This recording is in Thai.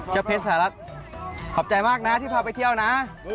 เพชรสหรัฐขอบใจมากนะที่พาไปเที่ยวนะ